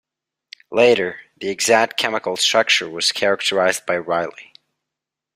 Later, the exact chemical structure was characterized by Riley.